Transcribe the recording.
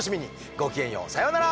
ごきげんようさようなら！